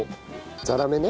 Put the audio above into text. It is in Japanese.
ざらめね。